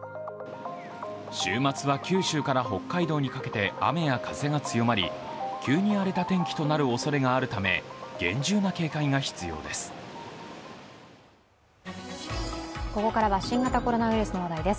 週末は九州から北海道にかけて雨や風が強まり急に荒れた天気となるおそれがあるため、厳重な警戒が必要です。